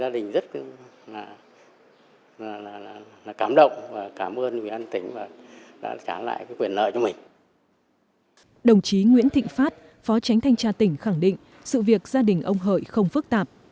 đồng chí nguyễn thịnh phát phó tránh thanh tra tỉnh khẳng định sự việc gia đình ông hợi không phức tạp